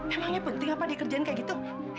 emangnya penting apa dikerjain kayak gitu